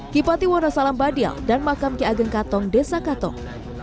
ki pati wondosalam badial dan makam ki ageng katong desa katong